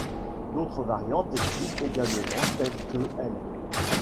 D’autres variantes existent également, telles que l’.